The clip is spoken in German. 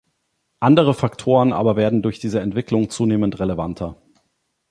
Andere Faktoren aber werden durch diese Entwicklung zunehmend relevanter.